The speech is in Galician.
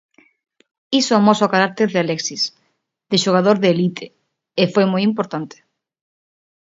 Iso amosa o carácter de Alexis, de xogador de elite, e foi moi importante.